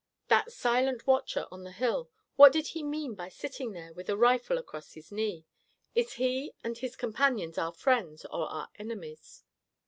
"That silent watcher on the hill—what did he mean by sitting there with a rifle across his knee? Is he and his companions our friends or our enemies?"